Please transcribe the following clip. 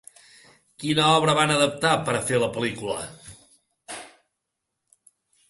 Quina obra van adaptar per a fer una pel·lícula?